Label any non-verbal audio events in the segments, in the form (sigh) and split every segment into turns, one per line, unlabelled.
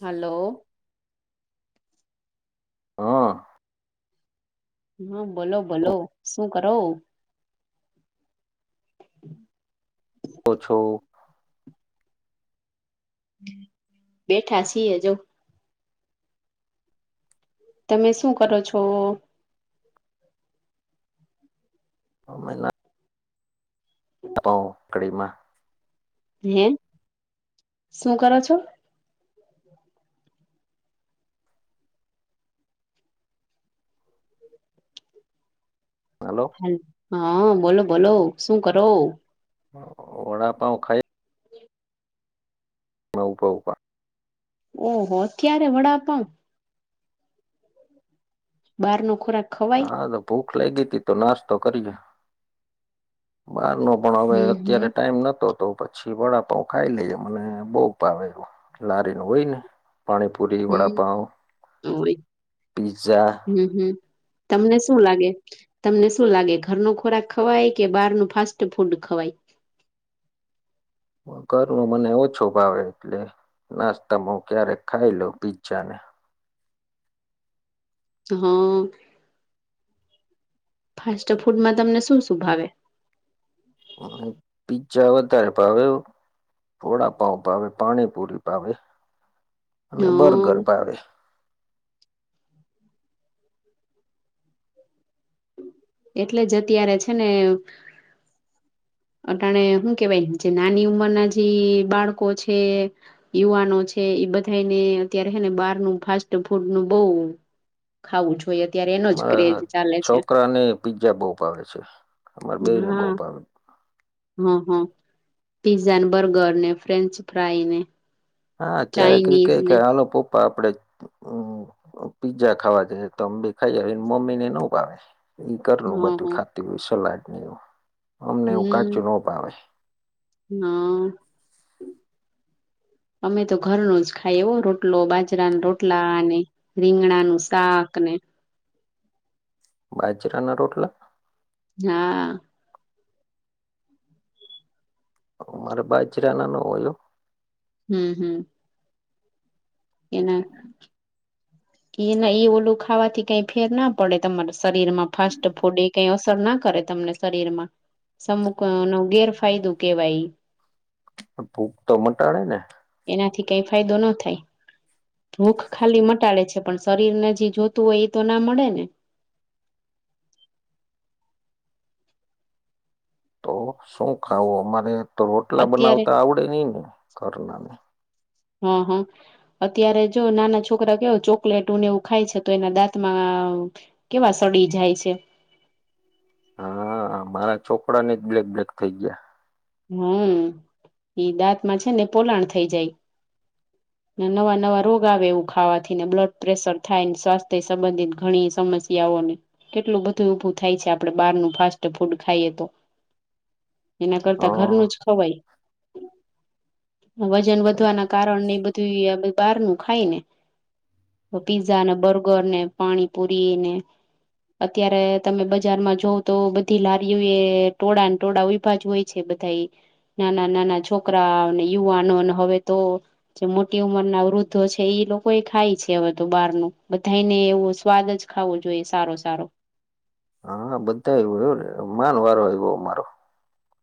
હાલો.
હ.
હ બોલો બોલો શું કરો?
તો છો
બેઠા છીએ જો તમે શું કરો છો?
અમે ના (inaudible)
(unintelligible) શું કરો છો?
હાલો.
હા બોલો બોલો શું કરો?
વડા પાઉ ખાય (inaudible)
ઓહો અત્યારે વડાપવ (inaudible) બારનો ખોરાક ખવાય
હા તો ભૂખ લાયગી તી તો નાશતો કરીએ બારનો પણ હવે
હમ હમ
અત્યારે ટાઈમ નતો તો પ છી વડાપઉ ખાઈ લઈએ મને બઉ પાવે એવું લારીનું હોય ને પાણીપૂરી,
હમ
વડાપાવ
(inaudible)
પીઝ્ઝા.
હમ હમ તમને શું લાગે? તમને શું લાગે ઘરનો ખોરાક ખવાય કે બહારનું ફાસ્ટ ફૂડ ખવાય?
ધર નો મને ઓછો ભાવે એટલે નાસ્તામાં ક્યારેક ખાઈ લઉ પીઝઝાને
હ. ફાસ્ટ ફૂડમાં તમને શું શું ભાવે?
પીજ્જા વધારે ભાવે વડાપાવ ભાવે, પાણીપુરી ભાવે
હ
અને બરગર ભાવે
એટલે જ અત્યારે છે, ને અટાણે હું કેવાય જે નાની ઉંમરના જી બાળકો છે. યુવાનો છે, ઈ બધાયને અત્યારે હે ને બહારનું ફાસ્ટ ફૂડ નું બો ખાવું જોઈએ
મારા હ
ચાલે છે
છોકરા ને પીજ્જા બો ભાવે છે, અમારે બેય ને બો
હા
ભાવે
હ હ, પિઝઝા ને બર્ગર ને ફ્રેન્ચ ફ્રાય ને
હા ક્યારે કઈ
ચાઇનીઝ
કઈક
ને
હાલો પપ્પા આપડે પીજ્જા ખાવા જ તો અમ બી ખાઈ આવે મમ્મી ને નવ ભાવે. એ
હ
કરલુ
હ
બધું ખાતી હોય સલાડ નેવું.
હમ હા અમે તો ઘરનો જ ખાઈ એવ રોટલો બાજરા રોટલા અને રીંગણા નું સાક ને
બાજરાના રોટલા
હા
અમારા બાજીરા ના ન હોય.
હમ્મ હમ્મ એના કે ઈના ઈ ઓલું ખાવાથી કઈ ફેર ના પડે તમારા શરીર માં ફાસ્ટ ફૂડ કઈ અસર ના કરે તમને શરીર માં. સમુક ન નો ગેરફાયદો કેવાય ઈ.
પન ભૂક તો મટાડે ને.
એનાથી કઈ ફાયદો ન થાય, ભૂખ ખાલી મટાડે છે. પણ શરીર ને જે જોતું હોય એ તો ના મળે ને.
તો શું ખાવું અમારે તો રોટલા
અત્યારે
બનાવતા આવડે નઈ ને ઘરના ને.
હા હા અત્યારે જો નાના છોકરા કેવો ચોકલેટ ઉને એવું ખાય છે તો એના દાંતમાં કેવા સડી જાય છે.
હા મારા છોકરા ને જ બ્લેક બ્લેક થઈ ગયા.
હમ્મ ઈ દાંતમાં છે ને પોલાણ થઈ જાય. ને નવા નવા રોગ આવે એવું ખાવાથીને બ્લડ પ્રેશર થાય, સ્વાસ્થ્ય સંબંધિત ઘણી સમસ્યાઓને કેટલું બધું ઊભું થાય છે, આપડે બહારનું ફાસ્ટ ફૂડ ખાઈએ તો. એના કરતા
હા
ઘરનું જ ખવાઈ. વજન વધવાના કારણ ને બધું ઈ બહાર નું ખાય ને. પીઝા ને, બર્ગર ને, પાણીપુરી ને. અત્યારે તમે બજારમાં જોવ તો બધી લારીઓ એ ટોળાને ટોળા ઊયભાજ હોય છે. બધાઈ નાના નાના છોકરા અને યુવાનો ને હવે તો જે મોટી ઉંમર ના વૃદ્ધો છે ઈ લોકો એ ખાય છે અવી તો બાર નું બધાયને એવું સ્વાદ જ ખાવું જોઈએ સારો સારો
હા બધા આવું એને માન વારો આવ્યો મારો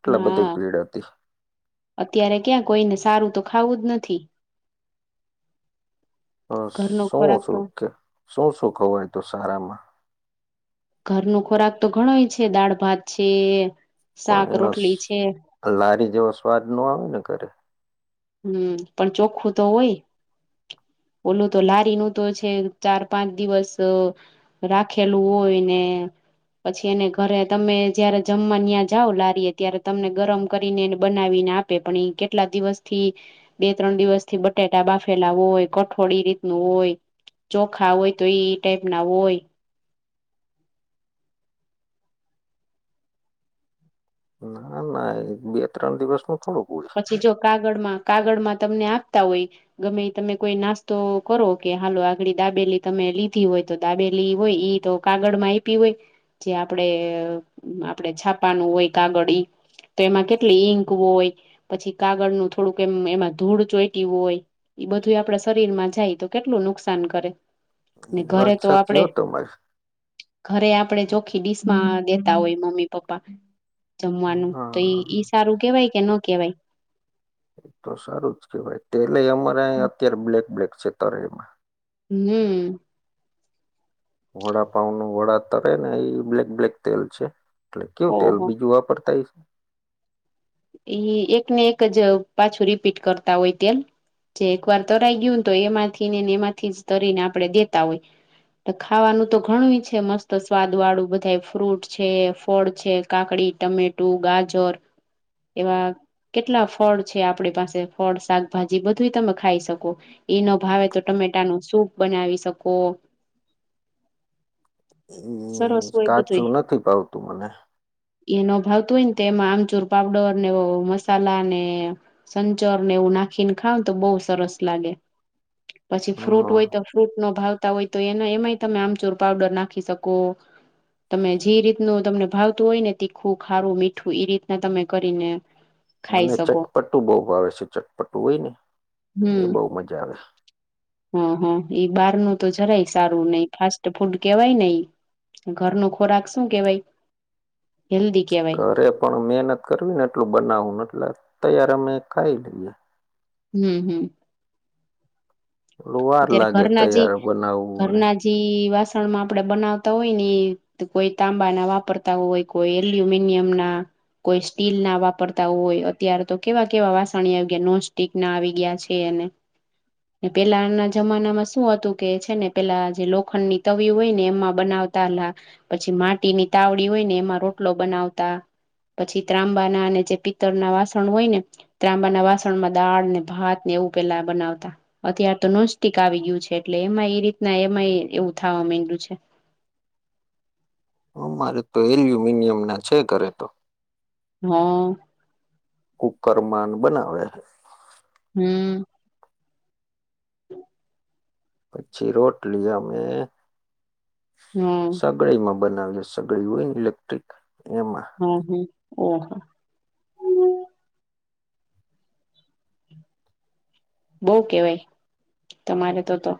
હા અત્યારે ક્યાં કોઈને સારું તો ખાવું જ નથી ઘરનો
શું
ખોરાક
શું
તો
કે શું શું ખવાય તો સારામાં
ઘર ન ખોરાક તો ઘણોય છે દાળ ભાત છે.
પણ
શાક
એનો
રોટલી છે
લારી જેવો સ્વાદ નો આવે ને કરે
હમ પણ ચોખ્ખું તો હોય ઓલું તો લારીનું તો છે ચાર પાંચ દિવસ રાખેલું હોય ને પછી એને ઘરે તમે જયારે જમવા ત્યાં જાાવ લારીએ ત્યારે તમને ગરમ કરીને એને બનાવીને આપ આપ પણ કેટલા દિવસ થી બે ત્રણ દિવસ થી બટેાટા બાફેલા હોય કઠોળી રીતનું હોય ચોખા હોય તો એ ટાઈપ ના હોય
ના ના બે ત્રણ દિવસ નું થોડું ગુળ
જો કાગળમાં કાગળ માં તમને આપતા હોય ગમે તમે કોઈ નાસ્તો કરો કે હાલો આગળ દાબેલી તમે લીધી હોય તો દાબેલી હોય ઈ તો કાગળ માં આપી હોય જે આપડે આપણેે છાપાનું હોય કાગળ એ તો એમાં કેટલી ઈંક હોય પછી કાગળનું થોડુંક એમ એમાં ધૂળ ચોઈટી હોય ઈ બધું આપડા શરીર માં જાય તો કેટલું નુકસાન કરે ને
એ
ઘરે
વાત
તો
સાચી
આપડે
હો તમારી
ઘરે આપડે ચોખ્ખી ડીશમાં દેતા હોય મમ્મી પપ્પા જમવાનું તો
હા
ઈ તારું કેવાય કે ન કેવાય
એ તો સારું જ કેવાય તેલે અમારે અત્યારે બ્લેક બ્લેક છે તરયમાં
હમ
વડા પાઉ નું વડા તરે ને એ બ્લેક બ્લેક તેલ છે એટલે કેવું તેલ
ઓહો
બીજું વાપરતા છે
ઈ એક ને એક જ પાછું રીપીટ કરતા હોય તેલ જે એકવાર તરાઈ ગયું ને તો એમાંથી ને ને એમાંથી જ તરીને આપડે દેતા હોય ખાવાનું તો ઘણું છે મસ્ત સ્વાદ વાળું બધા ફ્રૂટ છે ફળ છે કાકડી ટમેટુ ગાજર એવા કેટલા ફળ છે આપડી પાસે ફળ શાકભાજી બધું તમે ખાઈ શકો ઈ ન ભાવે તો ટમેટા નો સૂપ બનાવી શકો
હમ
સરસ
કાચું નથી ભાવતું મને
ઈ ન ભાવ તો હોય ને તે એમાં આમચૂર પાવડર ને મસાલા ને સંચોર ને એવું નાખી ને ખાવ તો બહુ સરસ લાગે પછી ફ્રૂટ
હમ
હોય તો ફ્રૂટ નો ભાવતા હોય તો એને એમાંય તમે આમચૂર પાવડર નાખી શકો તમે જે રીતનું તમને ભાવતું હોય ને તીખું ખારું મીઠું એ રીત ને તમે કરીને ખાઈ
મને
શકો
ચટપટુ બઉ ભાવે છે ચટપટુ હોય ને એ બઉ મજા આવે
હા હા ઈ બહાર નું તો જરાય સારું નઈ ફાસ્ટ ફૂડ કેવાય ને એ ઘર નો ખોરાક શું કેવાય હેલ્દી કેવાય
અરે પણ મહેનત કરવી ને એટલું બનાવવુંને એટલે તૈયાર અમે ખાઈ લઈએ
હમ હમ
થોડું વાર
અત્યારે
લાગે
ઘરના જે
તૈયાર બનાવવું ને
ઘરના જે વાસણ માં આપડે બનાવતા હોય ને કોઈ તાંબા ના વાપરતા હોય કોઈ એલ્યુમિનિયમ ના કોઈ સ્ટીલ ના વાપરતા હોય અત્યારે તો કેવા કેવા વાસણી આવી ગયા નોનસ્ટક ના આવી ગયા છે અને પેલાના જમાનામાં શું હતું કે છે ને પેલા જે લોખંડની તવી હોય ને એમાં બનાવતાલા પછી માટીની તાવડી હોય ને એમાં રોટલો બનાવતા પછી ત્રાંબા ના અને જે પિત્તળ ના વાસણ હોય ને ત્રાંબાના વાસણમાં દાળ ને ભાત ને એવું પેલા બનાવતા અત્યારે તો નોસ્ટિક આવી ગયું છે એટલે એમાં એ રીતના એમાંય એવું થવા માંડયું છે
હ મારે તો એલ્યુમિનિયમ ના છે ઘરે તો
હા
કુકર મા બનાવે
હમ
પછી રોટલી અમેં
હમ
સગડી માં બનાવી સગડી હોય ને ઇલેક્ટ્રિક એમાં
હા હા ઓહો બોવ કેવાય તમારે તો તો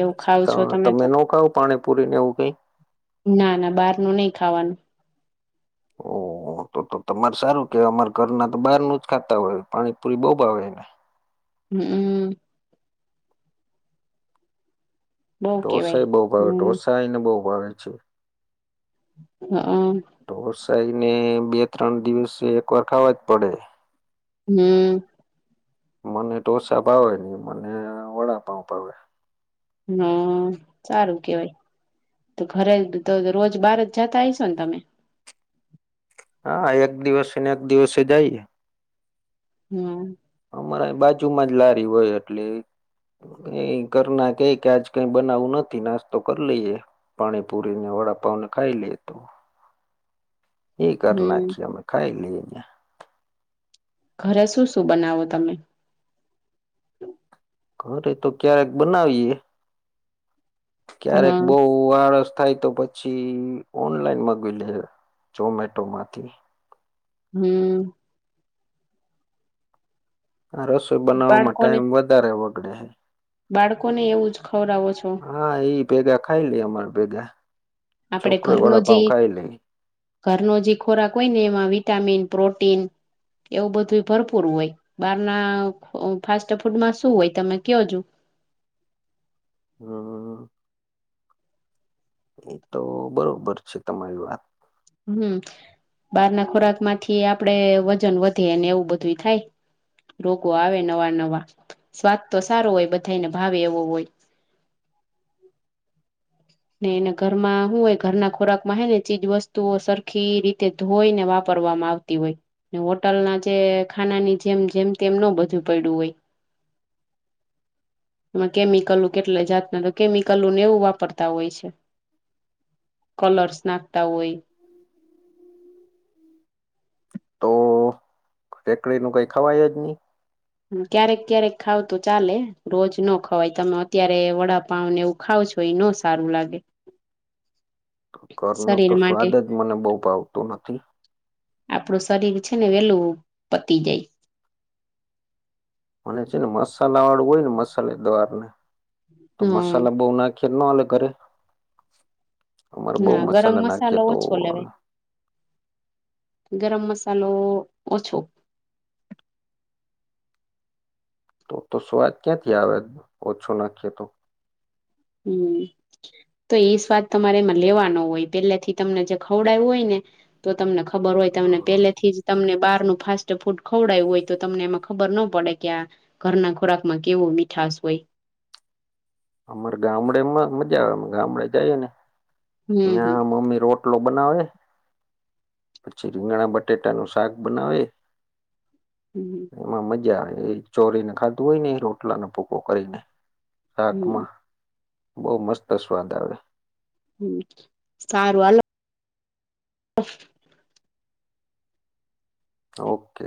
એવું ખાવ છો
તમે
તો
નખાવો પાણી પુરી ને એવું કઈ
ના ના બાર નું ની ખાવાનું
ઓ તો તો તો તમારે સારું કે અમાર ઘર ના તો બહાર નું જ ખાતા હોય પાણીપુરી બઉ ભાવે એને
હમ બઉ કેવાય
ઢોસા એ બઉ ભાવે
હમ
ઢોસા એને બઉ ભાવે છે
હા.
ઢોસા એને બે ત્રણ દિવસે એકવાર ખાવા જ પડે
હમ.
મને ઢોસા ભાવે મને વડાપાવ (unintelligible)
હ સારું કેવાય તો ઘરે તો રોજ બારજ જાતા હયશો ને તમે
હા એક દિવસેને એક દિવસે જઈએ
હમ.
અમારા બાજુમાં જ લારી હોય એટલે એ ઘરના કેય કે આજ કઈ બનાવવું નથી નાસ્તો કરી લઈએે પાણીપુરી ને વડાપાાવને ખાઈ લે તો એ ઘરનાજ
હમ
છે, અમે ખાઈ લઈએ
ઘરે શું શું બનાવો તમે
ઘરે તો ક્યારેક બનાવીએ ક્યારેક
હા
બો બો આળસ થાય તો પછી ઓનલાઈન મગવી લે ઝોમેટો માંથી
હમ.
આ રસોઈ બનાવવામાં
બાળકોને
ટાઈમ વધારે વગડે હે
બાળકોને એવું જ ખવરાવો છો
હા એઈ ભેગા ખાઈ લઈ અમાર ભેગા
આપડે
છોકરો
ઘરનો જે
વડાપાવ ખાઈ લઈ
ઘરનો જે ખોરાક હોય ને એમાં વિટામીન, પ્રોટીન એવું બધું ભરપૂર હોય બારના ફાસ્ટ ફૂડમાં શું હોય તમે કયો જો
હ. એ તો બરોબર છે, તમારી વાત
હમ. બહાર ના ખોરાક માંથી આપડે વજન વધે ને એવું બધુંય થાય રોગો આવે નવા નવા સ્વાદ તો સારો હોય બધાને ભાવે એવો હોય ને એને ઘરમાં હું હોય ઘરના ખોરાક માં હે ને ચીજ વસ્તુઓ સરખી રી તે ધોઈ ને વાપરવામાં આવતી હોય ને હોટલ ના જે ખાનાની જેમ જેમ તેમ ન બધું પયડું હોય
(inaudible)
માં કેમિકલું કેટલા જાતને તો કેમિકલું ને એવું વાપર તા હોય છે, કલર્સ નાખતા હોય
હ તો રેકડી ન કઈ ખવાય જ ની
ક્યારેક ક્યારેક ખાવ તો ચાલે રોજ ન ખવાય તમે અત્યારે વડાપાવ નેવું ખાવ છો એ ન સારું લાગે
ઘર નો
શરીર
તો
માટે
સ્વાદ જ મને બો ભાવતો નથી.
આપડું શરીર છે, ને વેલું પતી જાય
મને છે, ને મસાલા વાળું હોય ને મસાલે દ્વાર ને તો
હમ
મસાલા બો ના ખી ન આલે ઘરે અમારે બહુ
ના ગરમ
મસાલા નાખીએ
મસાલો
તો
ઓછો લેવાય ગરમ મસાલો ઓછો
તો તો સ્વાદ ક્યાંથી આવે ઓછું નાખીએ તો
હમ. તો એ સ્વાદ તમારે એમાં લેવાનો હોય પેલાથી તમને જે ખવડાયું હોય ને તો તમને ખબર હોય તમને પેલેથી જ તમને બારનુ ફાસ ટ ફૂડ ખવડાયું હોય તો તમને એમાં ખબર ન પડે કે આ ઘરના ખોરાકમાં કેવો મીઠશ હોય
અમારે ગામડેમાં મજા આવે ગામડે જઈએ ને
હમ હમ
ત્યાં મમ્મી રો ટલો બનાવે પછી રીંગણા બટેટાનું શાક બનાવે
હમ.
એમાં મજા આવે એ ચોરીને ખાધું હોય ને એ રોટલાનો ભૂકો કરીને.
હમ
શાકમાં બહુ મસ્ત સ્વાદ આવે.
હમ સારું (inaudible)
ઓકે.